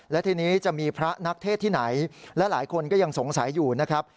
และทีนี้จะมีพระนักเทศที่ไหนและหลายคนก็ยังสงสัยอยู่นะครับ